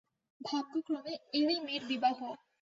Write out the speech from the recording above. ভাগ্যক্রমে এরই মেয়ের বিবাহ।